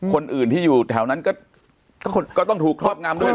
คนอื่นที่อยู่แถวนั้นก็ต้องถูกครอบงำด้วย